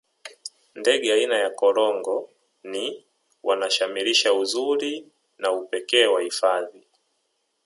ndege aina ya korongo ni wanashamirisha uzuri na upekee wa hifadhi